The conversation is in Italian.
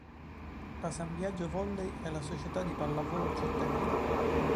La San Biagio Volley è la società di pallavolo cittadina.